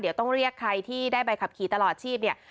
เดี๋ยวต้องเรียกใครที่ได้ใบขับขี่ตลอดชีพเนี่ย